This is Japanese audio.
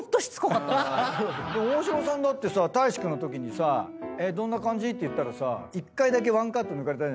大島さんだってさ大志君のときにどんな感じ？って言ったらさ１回だけワンカット抜かれた。